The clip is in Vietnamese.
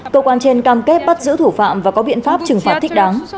cơ quan trên cam kết bắt giữ thủ phạm và có biện pháp trừng phạt thích đáng